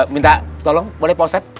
minta tolong boleh pak uset